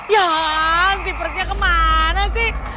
ya hansi persnya kemana sih